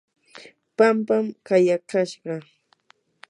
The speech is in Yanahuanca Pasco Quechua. pampam kayakashqa.